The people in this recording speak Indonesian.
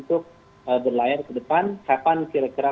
saya akan berlayar ke depan kira kira kira kira